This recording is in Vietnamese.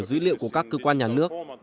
cơ sở dữ liệu của các cơ quan nhà nước